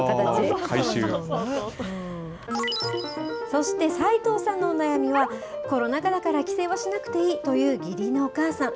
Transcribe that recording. そして、斉藤さんのお悩みは、コロナ禍だから帰省はしなくていいという義理のお母さん。